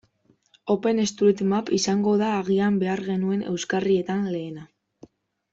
OpenStreetMap izango da agian behar genuen euskarrietan lehena.